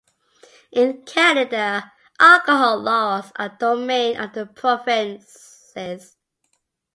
In Canada, alcohol laws are the domain of the provinces.